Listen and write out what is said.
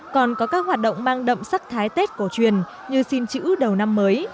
còn có các hoạt động mang đậm sắc thái tết cổ truyền như xin chữ đầu năm mới